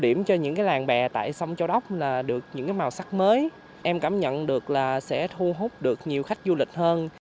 điểm cho những cái làng bè tại sông châu đốc là được những màu sắc mới em cảm nhận được là sẽ thu hút được nhiều khách du lịch hơn